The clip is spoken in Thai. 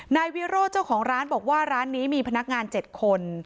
นายวิโรธเจ้าของร้านบอกว่าร้านนี้มีพนักงาน๗คน